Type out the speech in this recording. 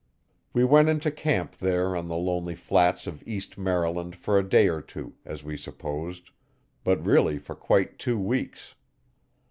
We went into camp there on the lonely flats of east Maryland for a day or two, as we supposed, but really for quite two weeks.